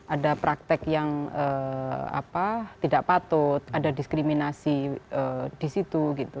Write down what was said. ada praktek yang tidak patut ada diskriminasi di situ